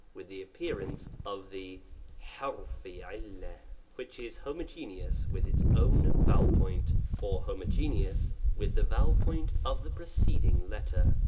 with the appearance of the ^Xce. 3^ which is *+ homogeneous with its own vowel point or homoge neous with the vowel point of the preceding letter.